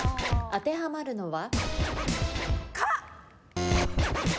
当てはまるのは？